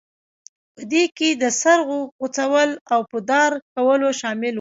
په دې کې د سر غوڅول او په دار کول شامل وو.